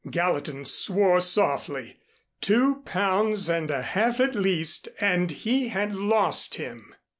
Gallatin swore softly. Two pounds and a half at least! And he had lost him!